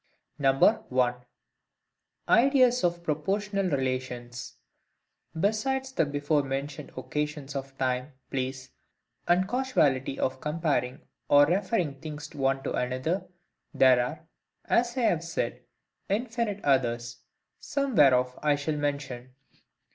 1. Ideas of Proportional relations. BESIDES the before mentioned occasions of time, place, and causality of comparing or referring things one to another, there are, as I have said, infinite others, some whereof I shall mention.